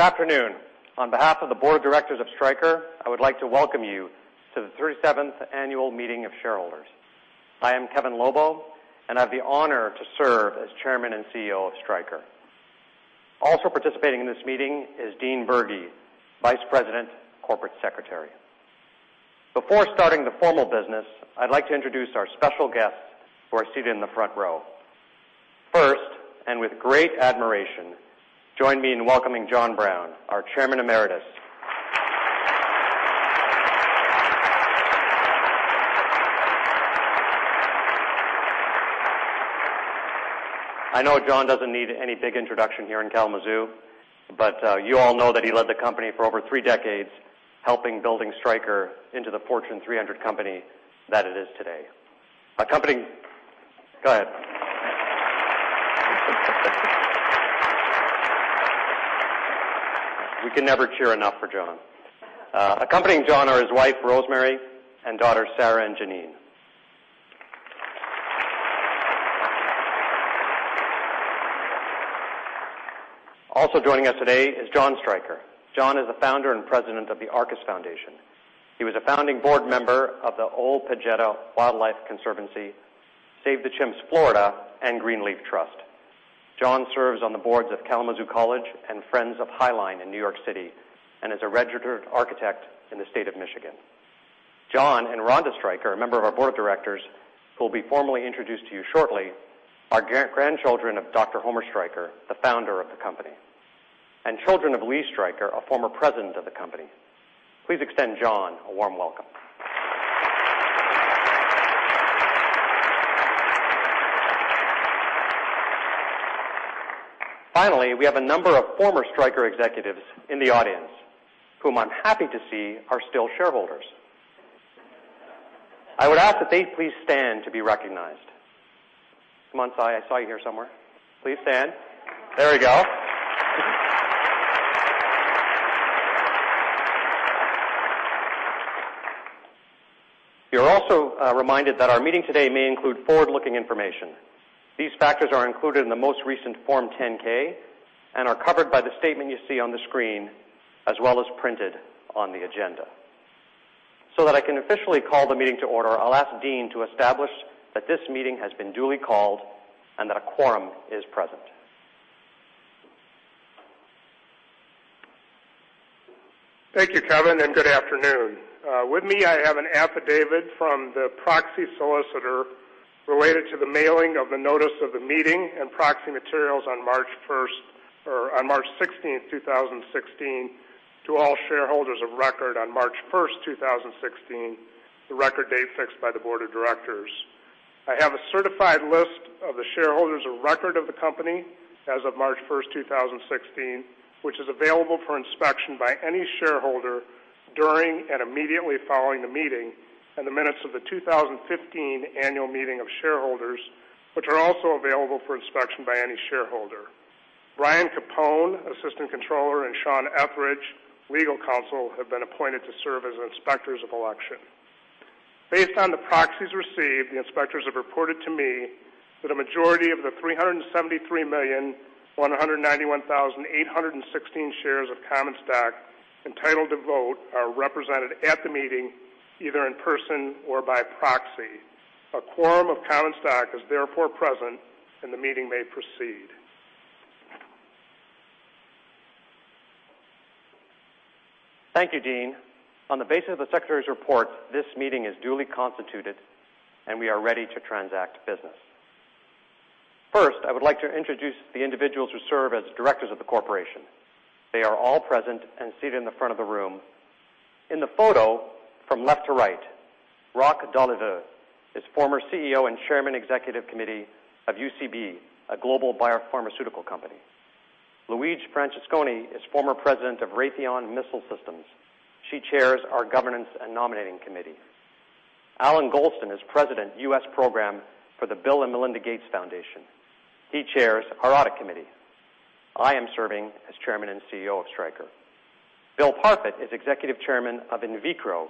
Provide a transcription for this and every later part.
Good afternoon. On behalf of the board of directors of Stryker, I would like to welcome you to the 37th annual meeting of shareholders. I am Kevin Lobo, and I have the honor to serve as Chairman and CEO of Stryker. Also participating in this meeting is Dean Bergey, Vice President, Corporate Secretary. Before starting the formal business, I'd like to introduce our special guests who are seated in the front row. First, and with great admiration, join me in welcoming John Brown, our Chairman Emeritus. I know John doesn't need any big introduction here in Kalamazoo, but you all know that he led the company for over three decades, helping building Stryker into the Fortune 300 company that it is today. Go ahead. We can never cheer enough for John. Accompanying John are his wife, Rosemary, and daughters Sarah and Janine. Also joining us today is Jon Stryker. Jon is the founder and president of the Arcus Foundation. He was a founding board member of the Ol Pejeta Wildlife Conservancy, Save the Chimps Florida, and Greenleaf Trust. Jon serves on the boards of Kalamazoo College and Friends of High Line in New York City, and is a registered architect in the state of Michigan. Jon and Ronda Stryker, a member of our board of directors, who will be formally introduced to you shortly, are grandchildren of Dr. Homer Stryker, the founder of the company, and children of Lee Stryker, a former president of the company. Please extend Jon a warm welcome. Finally, we have a number of former Stryker executives in the audience, whom I'm happy to see are still shareholders. I would ask that they please stand to be recognized. Come on, Si, I saw you here somewhere. Please stand. There we go. You're also reminded that our meeting today may include forward-looking information. These factors are included in the most recent Form 10-K and are covered by the statement you see on the screen, as well as printed on the agenda. That I can officially call the meeting to order, I'll ask Dean to establish that this meeting has been duly called and that a quorum is present. Thank you, Kevin, and good afternoon. With me, I have an affidavit from the proxy solicitor related to the mailing of the notice of the meeting and proxy materials on March 16th, 2016, to all shareholders of record on March 1st, 2016, the record date fixed by the board of directors. I have a certified list of the shareholders of record of the company as of March 1st, 2016, which is available for inspection by any shareholder during and immediately following the meeting, and the minutes of the 2015 annual meeting of shareholders, which are also available for inspection by any shareholder. Brian Capone, Assistant Controller, and Sean Etheridge, Legal Counsel, have been appointed to serve as inspectors of election. Based on the proxies received, the inspectors have reported to me that a majority of the 373,191,816 shares of common stock entitled to vote are represented at the meeting, either in person or by proxy. A quorum of common stock is therefore present and the meeting may proceed. Thank you, Dean. On the basis of the secretary's report, this meeting is duly constituted and we are ready to transact business. First, I would like to introduce the individuals who serve as directors of the corporation. They are all present and seated in the front of the room. In the photo, from left to right, Roch Doliveux is former CEO and chairman executive committee of UCB, a global biopharmaceutical company. Louise Francesconi is former president of Raytheon Missile Systems. She chairs our governance and nominating committee. Allan Golston is president U.S. Program for the Bill & Melinda Gates Foundation. He chairs our audit committee. I am serving as chairman and CEO of Stryker. Bill Parfet is executive chairman of inviCRO.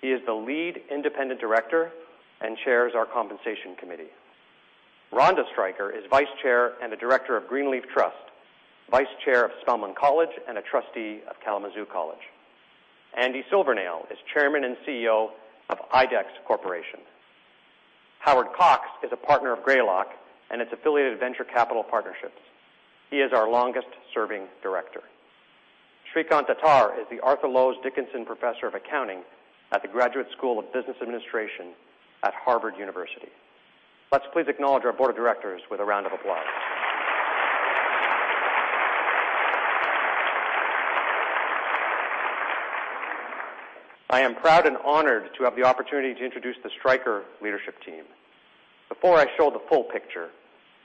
He is the lead independent director and chairs our compensation committee. Ronda Stryker is vice chair and a director of Greenleaf Trust, vice chair of Spelman College, and a trustee of Kalamazoo College. Andy Silvernail is chairman and CEO of IDEX Corporation. Howard Cox is a partner of Greylock and its affiliated venture capital partnerships. He is our longest-serving director. Srikant Datar is the Arthur Lowes Dickinson Professor of Business Administration at the Graduate School of Business Administration at Harvard University. Let's please acknowledge our board of directors with a round of applause. I am proud and honored to have the opportunity to introduce the Stryker leadership team. Before I show the full picture,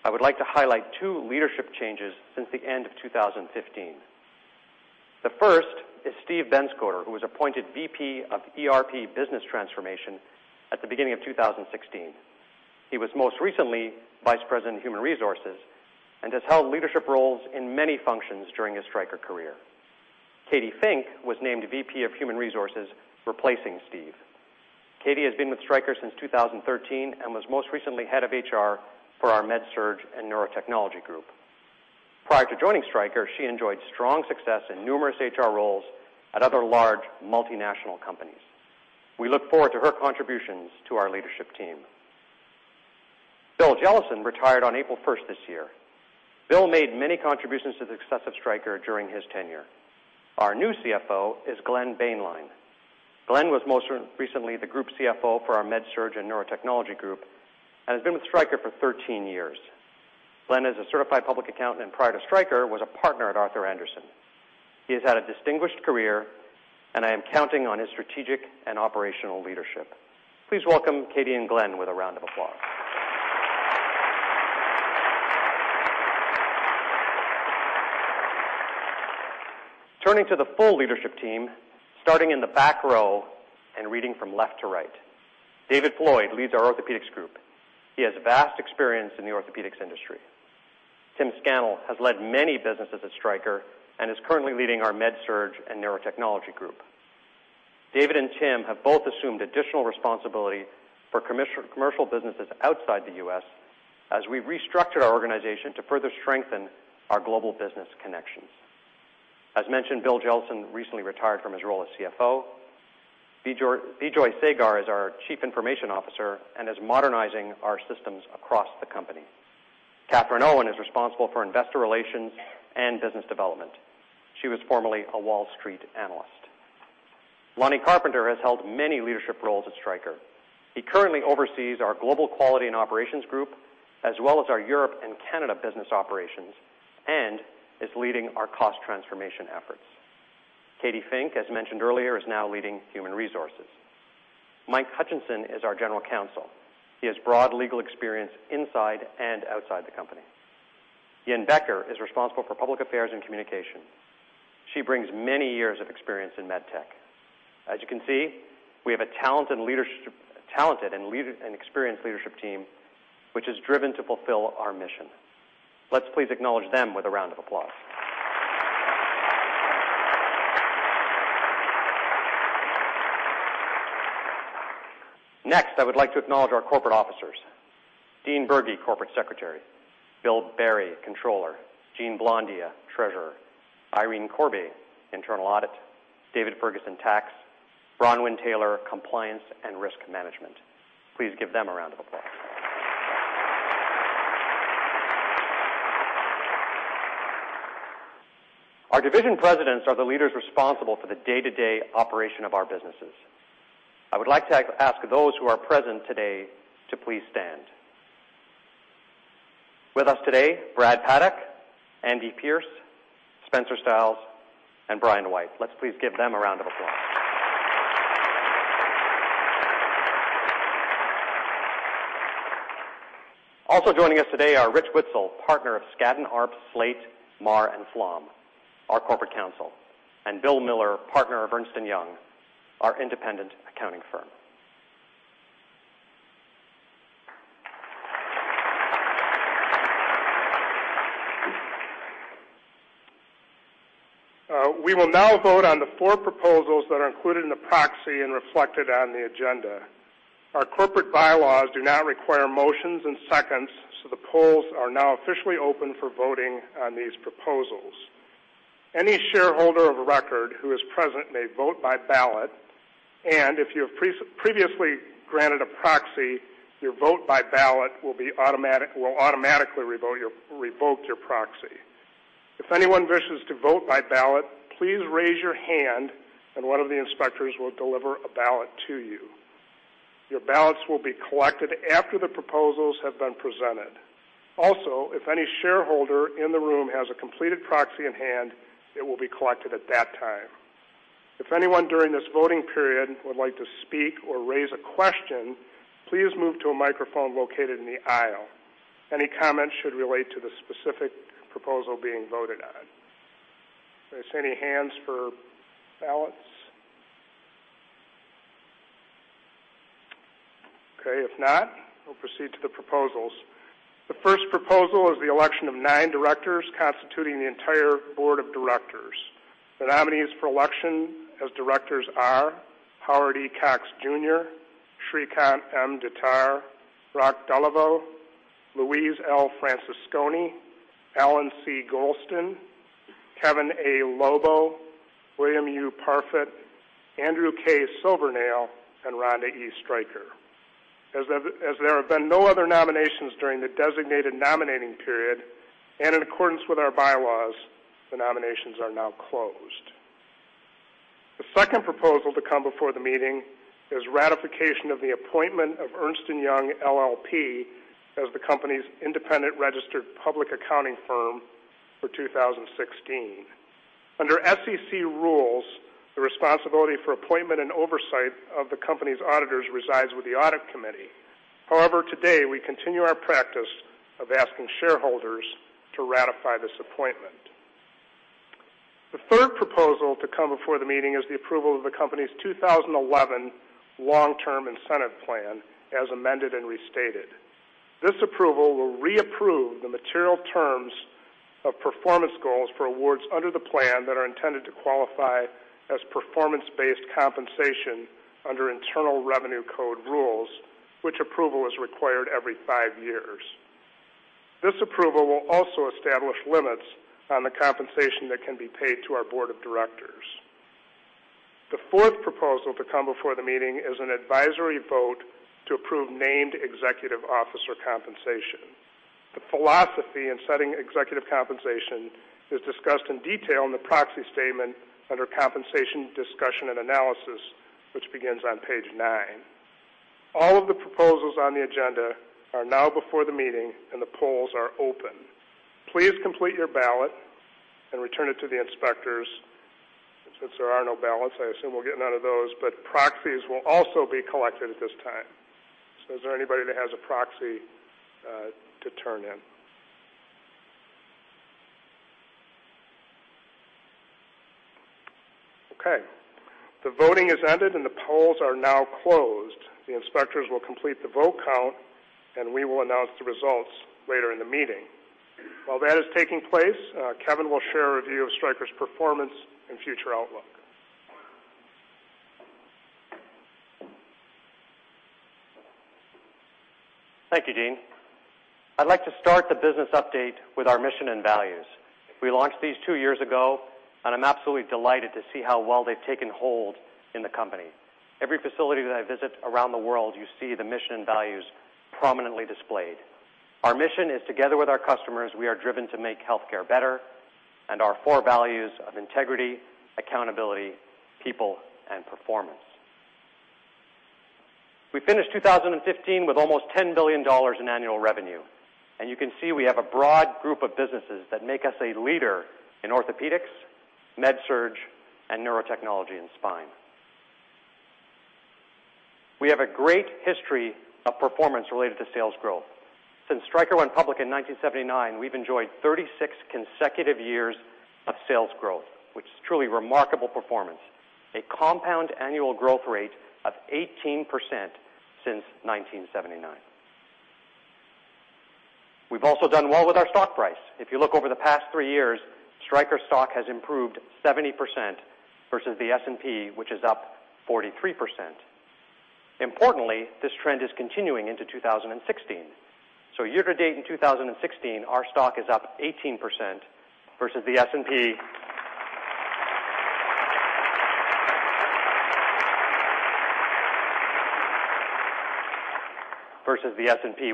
I would like to highlight two leadership changes since the end of 2015. The first is Steve Benscoter, who was appointed VP of ERP Business Transformation at the beginning of 2016. He was most recently Vice President of Human Resources and has held leadership roles in many functions during his Stryker career. Katy Fink was named VP of Human Resources, replacing Steve. Katy has been with Stryker since 2013 and was most recently head of HR for our MedSurg and Neurotechnology Group. Prior to joining Stryker, she enjoyed strong success in numerous HR roles at other large multinational companies. We look forward to her contributions to our leadership team. Bill Jellison retired on April 1st this year. Bill made many contributions to the success of Stryker during his tenure. Our new CFO is Glenn Boehnlein. Glenn was most recently the group CFO for our MedSurg and Neurotechnology Group and has been with Stryker for 13 years. Glenn is a certified public accountant, and prior to Stryker, was a partner at Arthur Andersen. He has had a distinguished career, and I am counting on his strategic and operational leadership. Please welcome Katy and Glenn with a round of applause. Turning to the full leadership team, starting in the back row and reading from left to right. David Floyd leads our orthopedics group. He has vast experience in the orthopedics industry. Tim Scannell has led many businesses at Stryker and is currently leading our MedSurg and Neurotechnology Group. David and Tim have both assumed additional responsibility for commercial businesses outside the U.S. as we restructure our organization to further strengthen our global business connections. As mentioned, Bill Jellison recently retired from his role as CFO. Bijoy Sagar is our Chief Information Officer and is modernizing our systems across the company. Kathryn Owen is responsible for Investor Relations and Business Development. She was formerly a Wall Street analyst. Lonny Carpenter has held many leadership roles at Stryker. He currently oversees our Global Quality and Business Operations group, as well as our Europe and Canada business operations, and is leading our cost transformation efforts. Katy Fink, as mentioned earlier, is now leading Human Resources. Mike Hutchinson is our General Counsel. He has broad legal experience inside and outside the company. Yin Becker is responsible for Communications and Public Affairs. She brings many years of experience in MedTech. As you can see, we have a talented and experienced leadership team, which is driven to fulfill our mission. Let's please acknowledge them with a round of applause. Next, I would like to acknowledge our corporate officers. Dean Bergey, Corporate Secretary. Bill Berry, Corporate Controller. Gene Blondia, Treasurer. Irene Corby, Internal Audit. David Ferguson, Tax. Bronwen Taylor, Compliance and Risk Management. Please give them a round of applause. Our division presidents are the leaders responsible for the day-to-day operation of our businesses. I would like to ask those who are present today to please stand. With us today, Brad Paddock, Andy Pierce, Spencer Stiles, and Brian White. Let's please give them a round of applause. Also joining us today are Rich Witzel, partner of Skadden, Arps, Slate, Meagher & Flom LLP, our corporate counsel, and Bill Miller, partner of Ernst & Young, our independent accounting firm. We will now vote on the four proposals that are included in the proxy and reflected on the agenda. Our corporate bylaws do not require motions and seconds, so the polls are now officially open for voting on these proposals. Any shareholder of record who is present may vote by ballot, and if you have previously granted a proxy, your vote by ballot will automatically revoke your proxy. If anyone wishes to vote by ballot, please raise your hand and one of the inspectors will deliver a ballot to you. Your ballots will be collected after the proposals have been presented. Also, if any shareholder in the room has a completed proxy in hand, it will be collected at that time. If anyone during this voting period would like to speak or raise a question, please move to a microphone located in the aisle. Any comments should relate to the specific proposal being voted on. Do I see any hands for ballots? Okay, if not, we'll proceed to the proposals. The first proposal is the election of 9 directors constituting the entire board of directors. The nominees for election as directors are Howard E. Cox Jr., Srikant M. Datar, Roch Doliveux, Louise L. Francesconi, Allan C. Golston, Kevin A. Lobo, William U. Parfet, Andrew K. Silvernail, and Ronda E. Stryker. As there have been no other nominations during the designated nominating period, and in accordance with our bylaws, the nominations are now closed. The second proposal to come before the meeting is ratification of the appointment of Ernst & Young LLP as the company's independent registered public accounting firm for 2016. Under SEC rules, the responsibility for appointment and oversight of the company's auditors resides with the audit committee. Today, we continue our practice of asking shareholders to ratify this appointment. The third proposal to come before the meeting is the approval of the company's 2011 Long-Term Incentive Plan as amended and restated. This approval will reapprove the material terms of performance goals for awards under the plan that are intended to qualify as performance-based compensation under Internal Revenue Code rules, which approval is required every 5 years. This approval will also establish limits on the compensation that can be paid to our board of directors. The fourth proposal to come before the meeting is an advisory vote to approve named executive officer compensation. The philosophy in setting executive compensation is discussed in detail in the proxy statement under Compensation Discussion and Analysis, which begins on page nine. All of the proposals on the agenda are now before the meeting, and the polls are open. Please complete your ballot and return it to the inspectors. Since there are no ballots, I assume we're getting none of those. Proxies will also be collected at this time. So is there anybody that has a proxy to turn in? Okay. The voting has ended, and the polls are now closed. The inspectors will complete the vote count, and we will announce the results later in the meeting. While that is taking place, Kevin will share a review of Stryker's performance and future outlook. Thank you, Dean. I'd like to start the business update with our mission and values. We launched these 2 years ago, and I'm absolutely delighted to see how well they've taken hold in the company. Every facility that I visit around the world, you see the mission and values prominently displayed. Our mission is together with our customers, we are driven to make healthcare better, and our four values of integrity, accountability, people, and performance. We finished 2015 with almost $10 billion in annual revenue, and you can see we have a broad group of businesses that make us a leader in Orthopedics, MedSurg and Neurotechnology, and Spine. We have a great history of performance related to sales growth. Since Stryker went public in 1979, we've enjoyed 36 consecutive years of sales growth, which is truly remarkable performance, a compound annual growth rate of 18% since 1979. We've also done well with our stock price. If you look over the past three years, Stryker stock has improved 70% versus the S&P, which is up 43%. Importantly, this trend is continuing into 2016. Year-to-date in 2016, our stock is up 18% versus the S&P,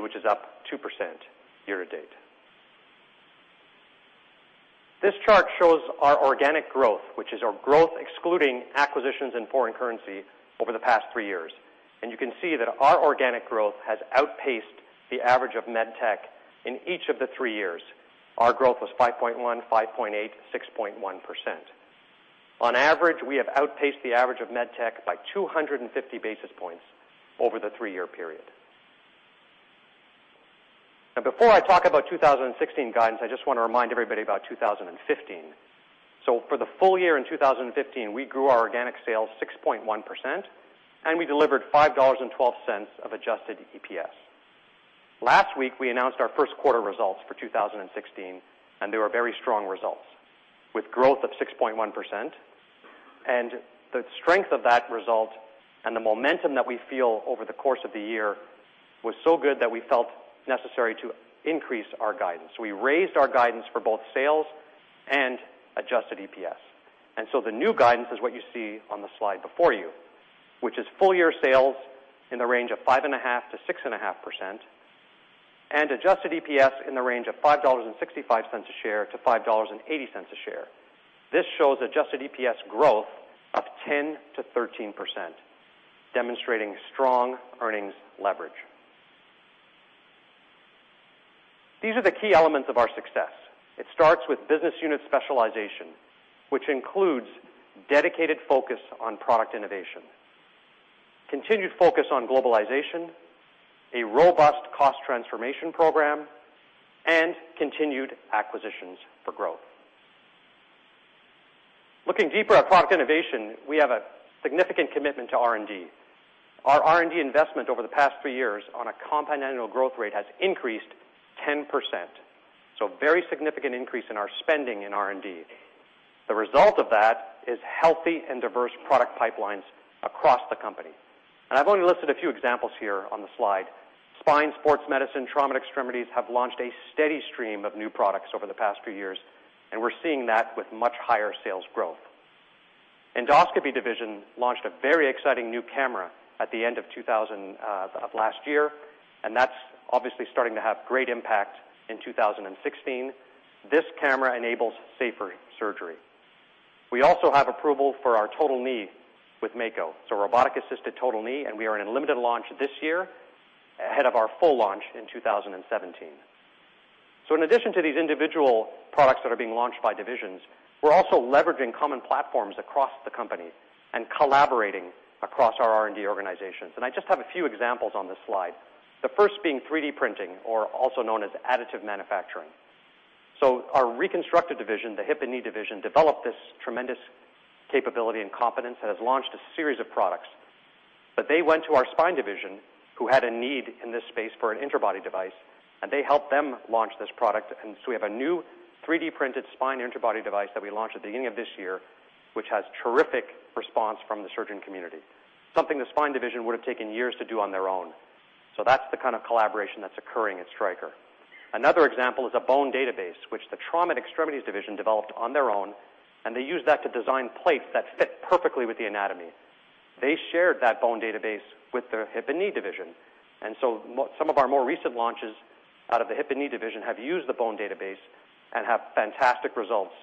which is up 2% year-to-date. This chart shows our organic growth, which is our growth excluding acquisitions in foreign currency over the past three years, and you can see that our organic growth has outpaced the average of MedTech in each of the three years. Our growth was 5.1%, 5.8%, 6.1%. On average, we have outpaced the average of MedTech by 250 basis points over the three-year period. Before I talk about 2016 guidance, I just want to remind everybody about 2015. For the full year in 2015, we grew our organic sales 6.1%, and we delivered $5.12 of adjusted EPS. Last week, we announced our first quarter results for 2016, and they were very strong results with growth of 6.1%. The strength of that result and the momentum that we feel over the course of the year was so good that we felt necessary to increase our guidance. We raised our guidance for both sales and adjusted EPS. The new guidance is what you see on the slide before you, which is full year sales in the range of 5.5%-6.5%, and adjusted EPS in the range of $5.65-$5.80 a share. This shows adjusted EPS growth of 10%-13%, demonstrating strong earnings leverage. These are the key elements of our success. It starts with business unit specialization, which includes dedicated focus on product innovation, continued focus on globalization, a robust cost transformation program, and continued acquisitions for growth. Looking deeper at product innovation, we have a significant commitment to R&D. Our R&D investment over the past three years on a compound annual growth rate has increased 10%, very significant increase in our spending in R&D. The result of that is healthy and diverse product pipelines across the company. I've only listed a few examples here on the slide. Spine, sports medicine, trauma, and extremities have launched a steady stream of new products over the past few years, and we're seeing that with much higher sales growth. Endoscopy Division launched a very exciting new camera at the end of last year, and that's obviously starting to have great impact in 2016. This camera enables safer surgery. We also have approval for our total knee with Mako, robotic-assisted total knee, and we are in limited launch this year ahead of our full launch in 2017. In addition to these individual products that are being launched by divisions, we're also leveraging common platforms across the company and collaborating across our R&D organizations. I just have a few examples on this slide. The first being 3D printing or also known as additive manufacturing. Our reconstructive division, the hip and knee division, developed this tremendous capability and competence that has launched a series of products. They went to our spine division, who had a need in this space for an interbody device, and they helped them launch this product. We have a new 3D-printed spine interbody device that we launched at the beginning of this year, which has terrific response from the surgeon community, something the spine division would have taken years to do on their own. That's the kind of collaboration that's occurring at Stryker. Another example is a bone database, which the trauma and extremities division developed on their own, and they used that to design plates that fit perfectly with the anatomy. They shared that bone database with the hip and knee division. Some of our more recent launches out of the hip and knee division have used the bone database and have fantastic results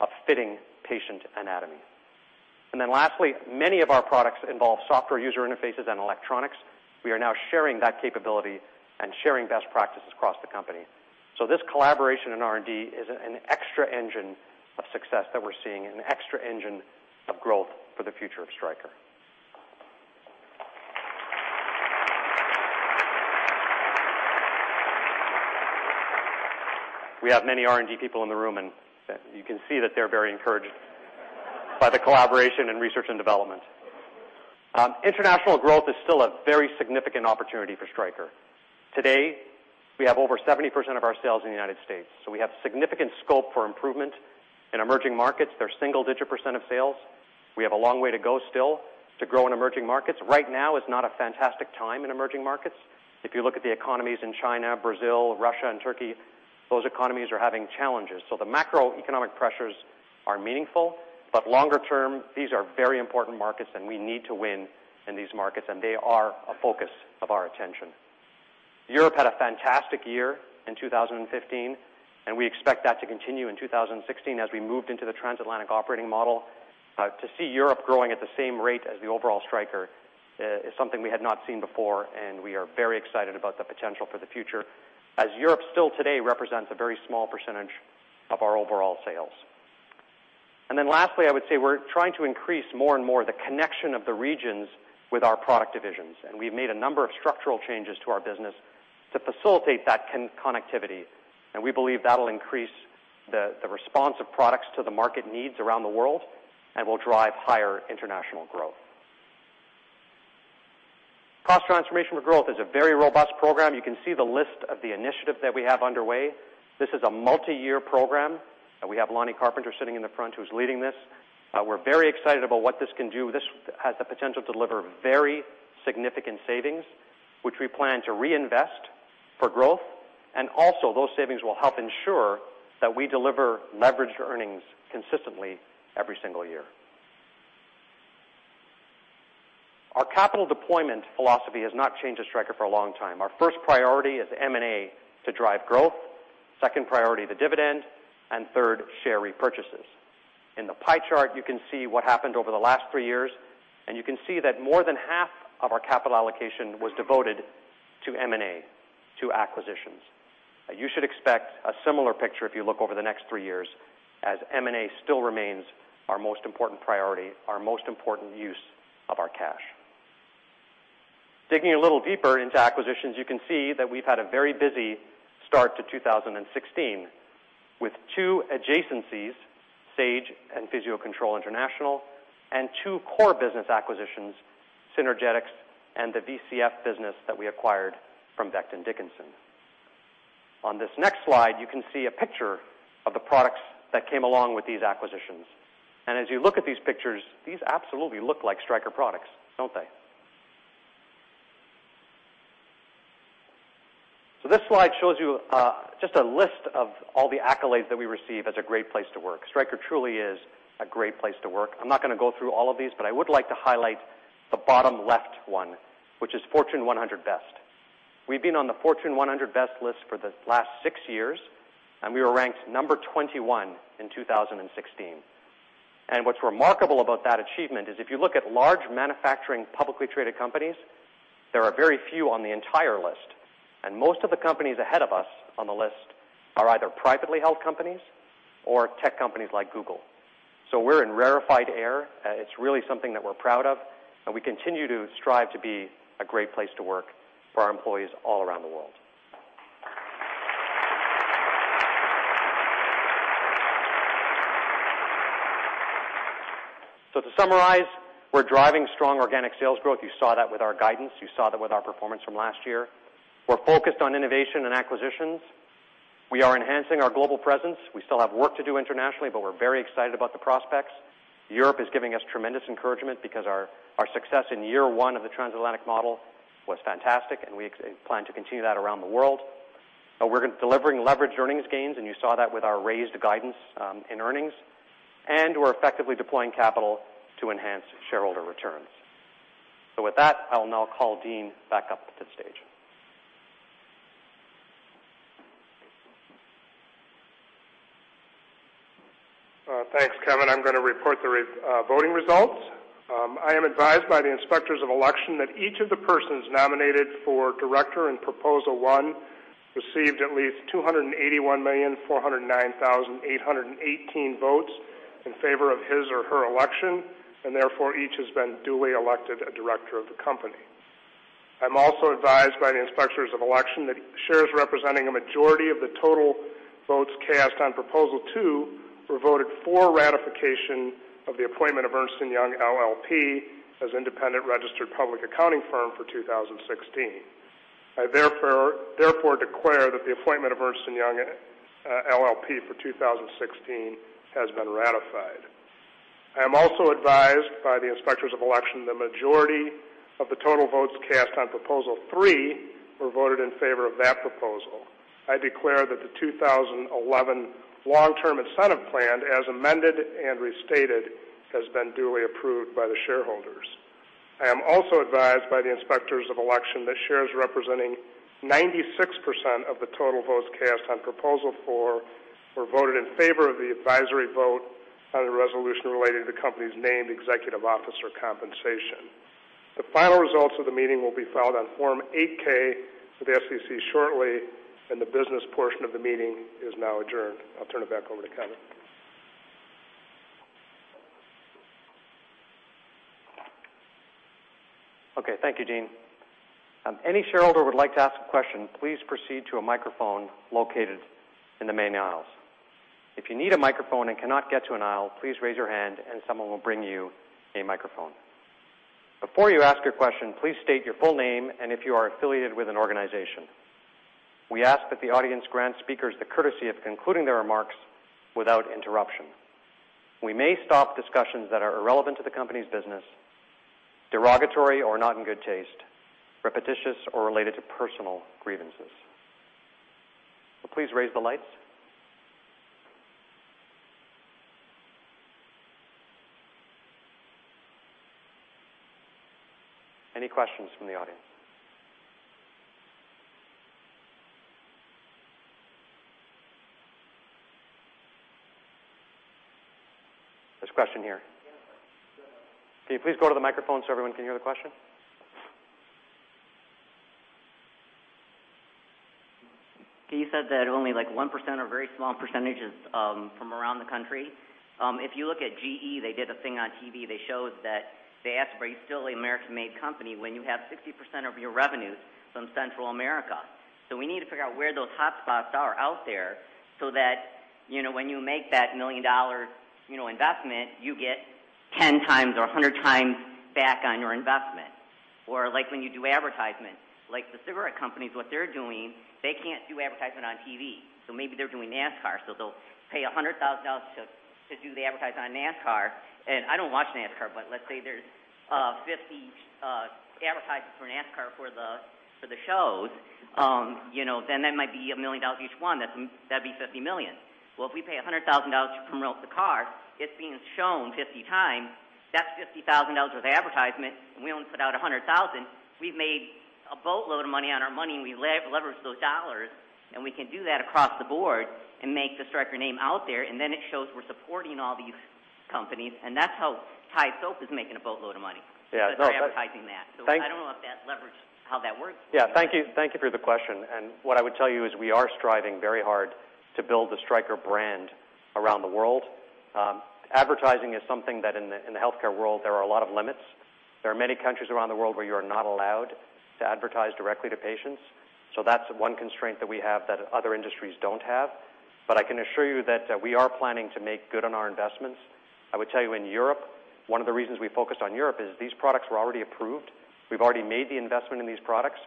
of fitting patient anatomy. Lastly, many of our products involve software user interfaces and electronics. We are now sharing that capability and sharing best practices across the company. This collaboration in R&D is an extra engine of success that we're seeing, an extra engine of growth for the future of Stryker. We have many R&D people in the room, and you can see that they're very encouraged by the collaboration in research and development. International growth is still a very significant opportunity for Stryker. Today, we have over 70% of our sales in the United States, so we have significant scope for improvement in emerging markets. They're single-digit % of sales. We have a long way to go still to grow in emerging markets. Right now is not a fantastic time in emerging markets. If you look at the economies in China, Brazil, Russia, and Turkey, those economies are having challenges. The macroeconomic pressures are meaningful, but longer term, these are very important markets, and we need to win in these markets, and they are a focus of our attention. Europe had a fantastic year in 2015, and we expect that to continue in 2016 as we moved into the Transatlantic Operating Model. To see Europe growing at the same rate as the overall Stryker is something we had not seen before, and we are very excited about the potential for the future, as Europe still today represents a very small percentage of our overall sales. Lastly, I would say we're trying to increase more and more the connection of the regions with our product divisions. We've made a number of structural changes to our business to facilitate that connectivity, and we believe that'll increase the response of products to the market needs around the world and will drive higher international growth. Cost transformation for growth is a very robust program. You can see the list of the initiatives that we have underway. This is a multi-year program, and we have Lonny Carpenter sitting in the front who's leading this. We're very excited about what this can do. This has the potential to deliver very significant savings, which we plan to reinvest for growth. Also, those savings will help ensure that we deliver leveraged earnings consistently every single year. Our capital deployment philosophy has not changed at Stryker for a long time. Our first priority is M&A to drive growth, second priority, the dividend, and third, share repurchases. In the pie chart, you can see what happened over the last three years, you can see that more than half of our capital allocation was devoted to M&A, to acquisitions. You should expect a similar picture if you look over the next three years, as M&A still remains our most important priority, our most important use of our cash. Digging a little deeper into acquisitions, you can see that we've had a very busy start to 2016 with two adjacencies, Sage and Physio-Control International, and two core business acquisitions, Synergetics and the VCF business that we acquired from Becton Dickinson. On this next slide, you can see a picture of the products that came along with these acquisitions. As you look at these pictures, these absolutely look like Stryker products, don't they? This slide shows you just a list of all the accolades that we receive as a great place to work. Stryker truly is a great place to work. I'm not going to go through all of these, but I would like to highlight the bottom left one, which is Fortune 100 Best. We've been on the Fortune 100 Best list for the last six years, we were ranked number 21 in 2016. What's remarkable about that achievement is if you look at large manufacturing publicly traded companies, there are very few on the entire list. Most of the companies ahead of us on the list are either privately held companies or tech companies like Google. We're in rarefied air. It's really something that we're proud of, we continue to strive to be a great place to work for our employees all around the world. To summarize, we're driving strong organic sales growth. You saw that with our guidance. You saw that with our performance from last year. We're focused on innovation and acquisitions. We are enhancing our global presence. We still have work to do internationally, but we're very excited about the prospects. Europe is giving us tremendous encouragement because our success in year one of the Transatlantic Operating Model was fantastic, we plan to continue that around the world. We're delivering leverage earnings gains, you saw that with our raised guidance in earnings. We're effectively deploying capital to enhance shareholder returns. With that, I'll now call Dean back up to the stage. Thanks, Kevin. I'm going to report the voting results. I am advised by the Inspectors of Election that each of the persons nominated for director in Proposal one received at least 281,409,818 votes in favor of his or her election, each has been duly elected a director of the company. I'm also advised by the Inspectors of Election that shares representing a majority of the total votes cast on Proposal two were voted for ratification of the appointment of Ernst & Young LLP as independent registered public accounting firm for 2016. I therefore declare that the appointment of Ernst & Young LLP for 2016 has been ratified. I am also advised by the Inspectors of Election the majority of the total votes cast on Proposal three were voted in favor of that proposal. I declare that the 2011 Long-Term Incentive Plan, as amended and restated, has been duly approved by the shareholders. I am also advised by the Inspectors of Election that shares representing 96% of the total votes cast on Proposal 4 were voted in favor of the advisory vote on the resolution related to the company's named executive officer compensation. The final results of the meeting will be filed on Form 8-K with the SEC shortly, and the business portion of the meeting is now adjourned. I'll turn it back over to Kevin. Okay. Thank you, Dean. If any shareholder would like to ask a question, please proceed to a microphone located in the main aisles. If you need a microphone and cannot get to an aisle, please raise your hand and someone will bring you a microphone. Before you ask your question, please state your full name and if you are affiliated with an organization. We ask that the audience grant speakers the courtesy of concluding their remarks without interruption. We may stop discussions that are irrelevant to the company's business, derogatory or not in good taste, repetitious, or related to personal grievances. Please raise the lights. Any questions from the audience? There's a question here. Can you please go to the microphone so everyone can hear the question? Dean said that only 1% or very small percentages from around the country. If you look at GE, they did a thing on TV. They showed that they asked, "Are you still an American-made company?" When you have 60% of your revenues from Central America. We need to figure out where those hotspots are out there so that when you make that million-dollar investment, you get 10 times or 100 times back on your investment. When you do advertisement, like the cigarette companies, what they're doing, they can't do advertisement on TV. Maybe they're doing NASCAR. They'll pay $100,000 to do the advertisement on NASCAR, and I don't watch NASCAR, but let's say there's 50 advertisers for NASCAR for the shows. That might be $1 million each one. That'd be $50 million. If we pay $100,000 to promote the car, it's being shown 50 times. That's $50,000 of advertisement, and we only put out $100,000. We've made a boatload of money on our money, and we leverage those dollars, and we can do that across the board and make the Stryker name out there, and then it shows we're supporting all these companies, and that's how Tide soap is making a boatload of money. Yeah. No. By advertising that. Thank- I don't know if that leverage, how that works. Yeah. Thank you for the question. What I would tell you is we are striving very hard to build the Stryker brand around the world. Advertising is something that in the healthcare world, there are a lot of limits. There are many countries around the world where you're not allowed to advertise directly to patients, so that's one constraint that we have that other industries don't have. I can assure you that we are planning to make good on our investments. I would tell you, in Europe, one of the reasons we focused on Europe is these products were already approved. We've already made the investment in these products,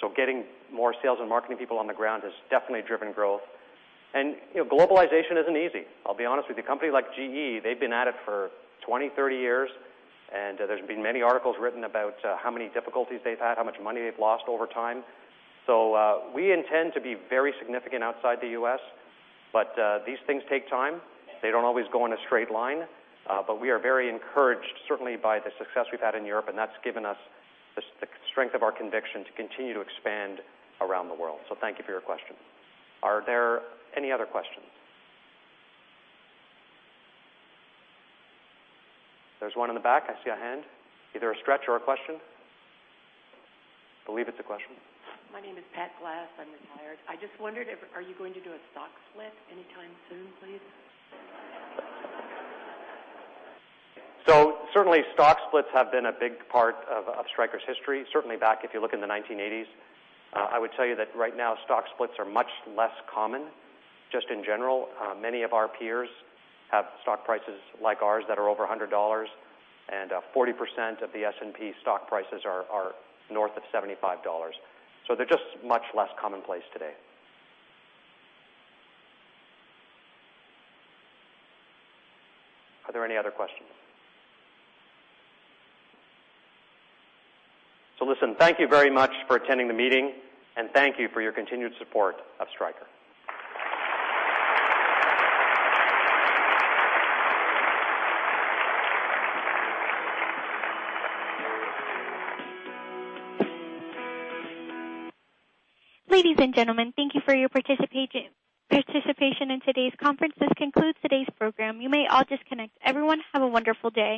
so getting more sales and marketing people on the ground has definitely driven growth. Globalization isn't easy. I'll be honest with you. Companies like GE, they've been at it for 20, 30 years, and there's been many articles written about how many difficulties they've had, how much money they've lost over time. We intend to be very significant outside the U.S., these things take time. They don't always go in a straight line. We are very encouraged, certainly, by the success we've had in Europe, and that's given us the strength of our conviction to continue to expand around the world. Thank you for your question. Are there any other questions? There's one in the back. I see a hand. Either a stretch or a question. Believe it's a question. My name is Pat Glass. I'm retired. I just wondered, are you going to do a stock split anytime soon, please? Certainly, stock splits have been a big part of Stryker's history, certainly back if you look in the 1980s. I would tell you that right now, stock splits are much less common, just in general. Many of our peers have stock prices like ours that are over $100, and 40% of the S&P stock prices are north of $75. They're just much less commonplace today. Are there any other questions? Listen, thank you very much for attending the meeting, and thank you for your continued support of Stryker. Ladies and gentlemen, thank you for your participation in today's conference. This concludes today's program. You may all disconnect. Everyone, have a wonderful day.